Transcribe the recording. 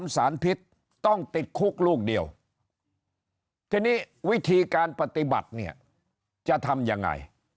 สารพิษต้องติดคุกลูกเดียวทีนี้วิธีการปฏิบัติเนี่ยจะทำยังไง